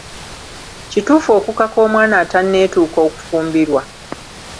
Kituufu okukaka omwana atanneetuuka okufumbirwa?